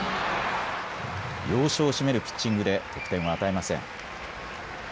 要所を締めるピッチングで得点を与えません。